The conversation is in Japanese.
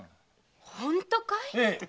本当かい？